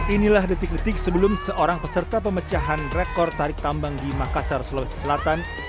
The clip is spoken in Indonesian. inilah detik detik sebelum seorang peserta pemecahan rekor tarik tambang di makassar sulawesi selatan